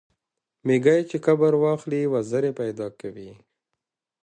ـ ميږى چې کبر واخلي وزرې پېدا کوي.